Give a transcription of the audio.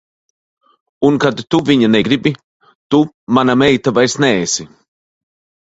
Un kad tu viņa negribi, tu mana meita vairs neesi.